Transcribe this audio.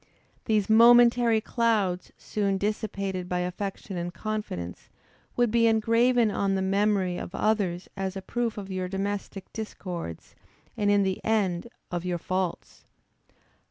These momentary clouds, soon dissipated by affection and confidence, would be engraven on the memory of others as a proof of your domestic discords, and in the end, of your faults.